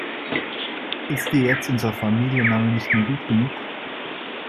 Ist dir jetzt unser Familienname nicht mehr gut genug?